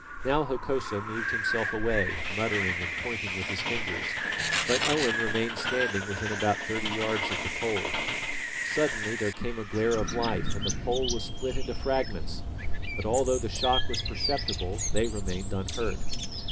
Now Hokosa moved himself away, muttering and pointing with his fingers, but Owen remained standing within about thirty yards of the pole. Suddenly there came a glare of light, and the pole was split into fragments; but although the shock was perceptible, they remained unhurt.